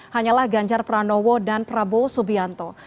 hanyalah ganjar pranowo dan prabowo subianto